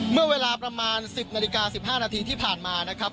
เมื่อเวลาประมาณ๑๐นาฬิกา๑๕นาทีที่ผ่านมานะครับ